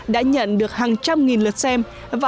đã nhận được hàng trăm nghìn lượt xem